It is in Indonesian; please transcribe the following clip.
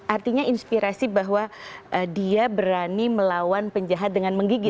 artinya inspirasi bahwa dia berani melawan penjahat dengan menggigit